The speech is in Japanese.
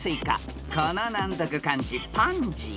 ［この難読漢字パンジー？